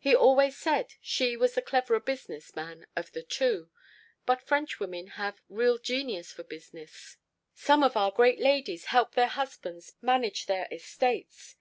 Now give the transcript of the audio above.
He always said she was the cleverer business man of the two; but French women have a real genius for business. Some of our great ladies help their husbands manage their estates.